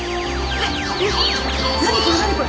何これ何これ！？